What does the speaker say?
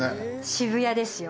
渋谷ですよ